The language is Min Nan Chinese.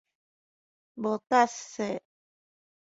無沓屑